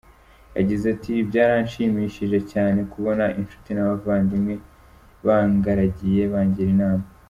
Yagize ati “Byaranshimisnhije cyane kubona inshuti n’abavandimwe bangaragiye bangira inama.